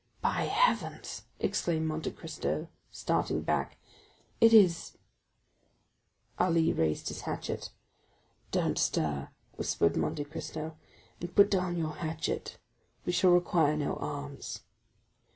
"By heavens," exclaimed Monte Cristo, starting back, "it is——" Ali raised his hatchet. "Don't stir," whispered Monte Cristo, "and put down your hatchet; we shall require no arms."